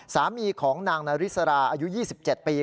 สามีของนางนาริสราอายุ๒๗ปี